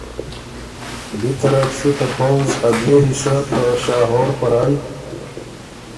بی طرف سُو ته پؤځ ا بيې حصه ته شاهور په رایٛ